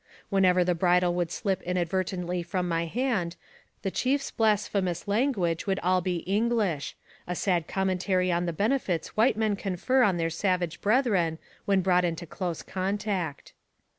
Whenever the bridle would slip inadvertently from my hand, the chief's blasphemous language would all be English ; a sad commentary on the benefits white men 60 NARRATIVE OF CAPTIVITY confer on their savage brethren when brought into close contact.